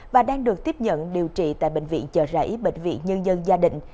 và đang được tiếp nhận điều trị tại bệnh viện chợ rẫy bệnh viện nhân dân gia đình